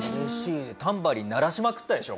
タンバリン鳴らしまくったでしょ